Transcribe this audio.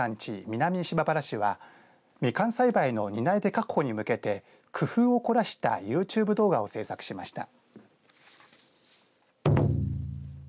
南島原市はみかん栽培の担い手確保に向けて工夫を凝らしたユーチューブ動画を制作しました。